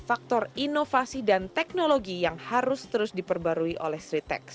faktor inovasi dan teknologi yang harus terus diperbarui oleh sritex